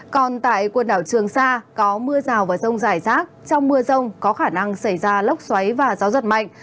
còn tại quần đảo trường sa có mưa rào và rông rải rác trong mưa rông có khả năng xảy ra lốc xoáy và gió giật mạnh